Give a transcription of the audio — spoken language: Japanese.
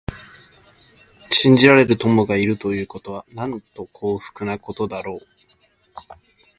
信じられる友がいるということは、なんと幸福なことだろう。